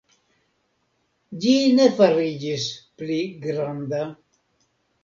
Ĝi ne fariĝis pli granda.